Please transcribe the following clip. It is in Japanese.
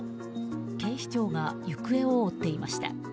警視庁が行方を追っていました。